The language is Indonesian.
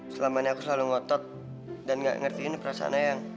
selama ini aku selalu ngotot dan gak ngertiin perasaan eang